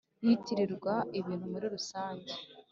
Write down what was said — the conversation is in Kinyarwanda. yitirirwa ibintu muri rusange